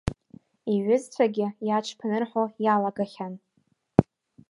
Иҩызцәагьы иаҽԥнырҳәо иалагахьан.